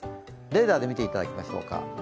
レーダーで見ていただきましょうか。